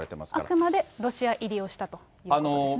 あくまでロシア入りをしたということですね。